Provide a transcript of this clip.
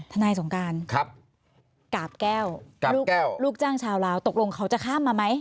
สงการกาบแก้วลูกจ้างชาวลาวตกลงเขาจะข้ามมาไหม